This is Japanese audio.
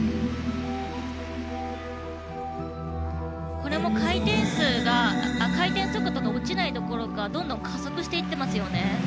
これも回転数が回転速度が落ちないどころかどんどん加速していってますよね。